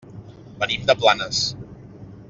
Venim de Planes.